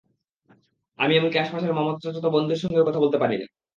আমি এমনকি আশপাশের মামাতো, চাচাতো বোনদের সঙ্গেও কথা বলতে পারি না।